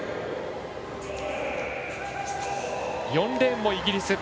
４レーンもイギリス。